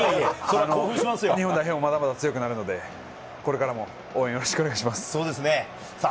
日本代表もまだまだ強くなるので、これからも応援よろしくお願いします。